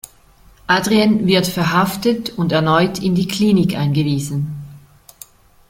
Adrien wird verhaftet und erneut in die Klinik eingewiesen.